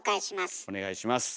お願いします。